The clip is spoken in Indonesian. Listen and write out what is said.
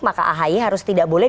maka ahy harus tidak boleh